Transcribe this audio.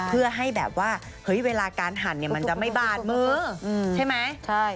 เพื่อให้เวลาการหันมันจะไม่บาดมือ